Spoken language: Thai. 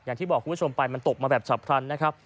อย่างที่บอกคุณผู้ชมไปมันตกมาแบบฉับพลันนะครับ